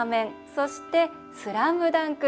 そして「スラムダンク」。